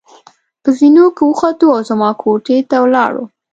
په زېنو کې وختو او زما کوټې ته ولاړو.